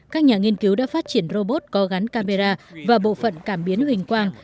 các nhà nghiên cứu đã phát triển robot có gắn camera và bộ phận cảm biến hình quang